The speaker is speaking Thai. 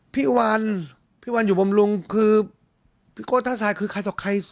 พี่วันพี่วันอยู่บำรุงคือพี่โก้ท่าทรายคือใครต่อใคร